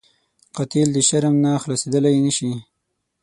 قاتل د شرم نه خلاصېدلی نه شي